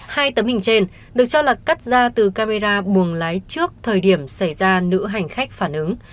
hai tấm hình trên được cho là cắt ra từ camera buồng lái trước thời điểm xảy ra nữ hành khách phản ứng